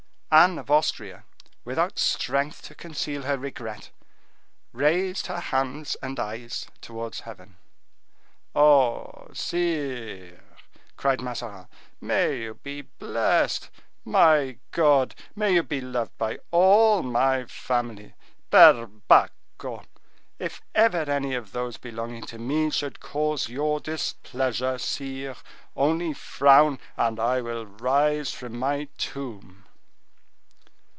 Anne of Austria, without strength to conceal her regret, raised her hands and eyes towards heaven. "Oh! sire," cried Mazarin, "may you be blessed! My God! May you be beloved by all my family. Per Baccho! If ever any of those belonging to me should cause your displeasure, sire, only frown, and I will rise from my tomb!"